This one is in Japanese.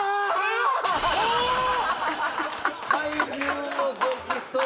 「怪獣のごちそう」。